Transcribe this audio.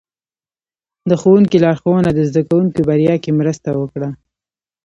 د ښوونکي لارښوونه د زده کوونکو بریا کې مرسته وکړه.